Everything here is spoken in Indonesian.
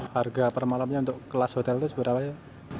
harga per malamnya untuk kelas hotel itu seberapa ya